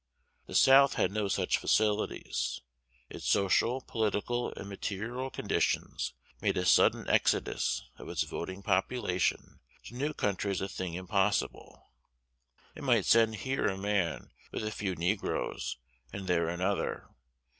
The South had no such facilities: its social, political, and material conditions made a sudden exodus of its voting population to new countries a thing impossible. It might send here a man with a few negroes, and there another.